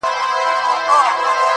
دا روايت د ټولنې ژور نقد وړلاندي کوي,